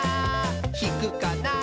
ひくかな？